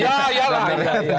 ya ya lah